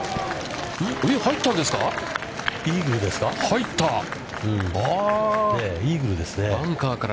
入ったんですか？